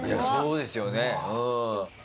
そうですよねうん。